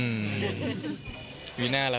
อืมมอยู่หน้าละ